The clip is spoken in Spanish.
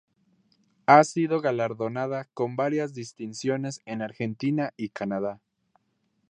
Ha sido galardonada con varias distinciones en Argentina y Canadá.